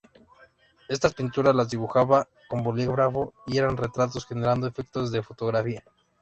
Estas pinturas las dibujaba con bolígrafo, y eran retratos generando efectos de fotografía.